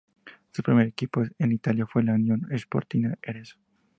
Su primer equipo en Italia fue la Unione Sportiva Arezzo.